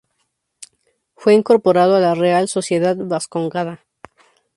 Fue incorporado a la Real Sociedad Vascongada.